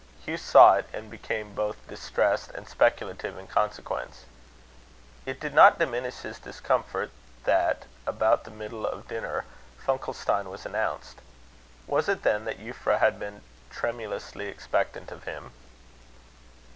Hugh saw it, and became both distressed and speculative in consequence. It did not diminish his discomfort that, about the middle of dinner, Funkelstein was announced. Was it, then, that Euphra had been tremulously expectant of him?